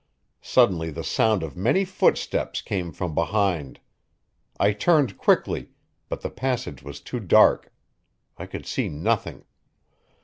Suddenly the sound of many footsteps came from behind. I turned quickly, but the passage was too dark. I could see nothing.